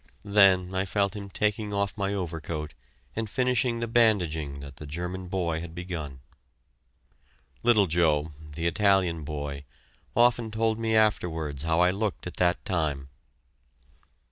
Then I felt him taking off my overcoat and finishing the bandaging that the German boy had begun. Little Joe, the Italian boy, often told me afterwards how I looked at that time.